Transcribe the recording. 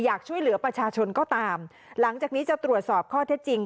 อยากช่วยเหลือประชาชนก็ตามหลังจากนี้จะตรวจสอบข้อเท็จจริง